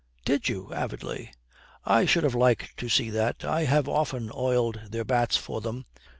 'Did you?' avidly. 'I should have liked to see that. I have often oiled their bats for them.